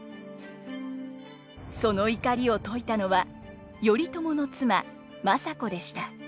その怒りを解いたのは頼朝の妻政子でした。